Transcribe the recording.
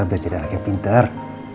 belajar dari anak yang pintar